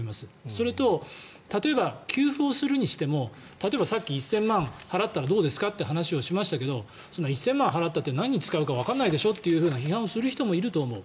それと例えば、給付をするにしても例えばさっき１０００万払ったらどうですかという話をしましたけどそんな１０００万円払ったって何に使うかわからないでしょという批判をする人もいると思う。